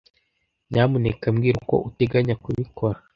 Nyamuneka mbwira uko uteganya kubikora.